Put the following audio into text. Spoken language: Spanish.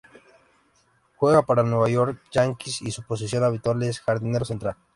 Juega para New York Yankees y su posición habitual es jardinero central.